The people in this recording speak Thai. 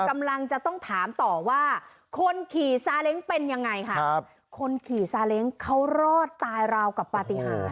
กำลังจะต้องถามต่อว่าคนขี่ซาเล้งเป็นยังไงค่ะครับคนขี่ซาเล้งเขารอดตายราวกับปฏิหาร